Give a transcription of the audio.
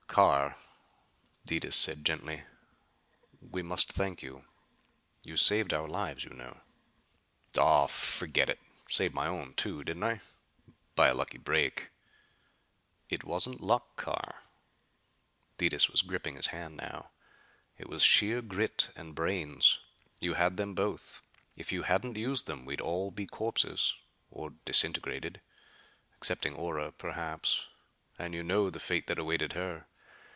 "Carr," said Detis, gently, "we must thank you. You saved our lives, you know." "Aw, forget it. Saved my own, too, didn't I? By a lucky break." "It wasn't luck, Carr." Detis was gripping his hand now. "It was sheer grit and brains. You had them both. If you hadn't used them we'd all be corpses or disintegrated excepting Ora, perhaps. And you know the fate that awaited her.